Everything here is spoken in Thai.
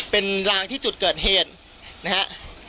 เป็นลางที่จุดเกิดเหตุนะฮะ